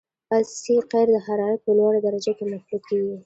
اس سي قیر د حرارت په لوړه درجه کې مخلوط کیږي